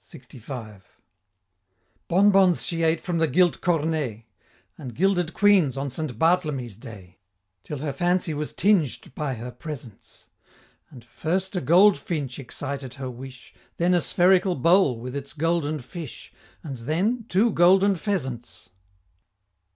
LXV. Bon bons she ate from the gilt cornet; And gilded queens on St. Bartlemy's day; Till her fancy was tinged by her presents And first a Goldfinch excited her wish, Then a spherical bowl with its Golden fish, And then two Golden Pheasants.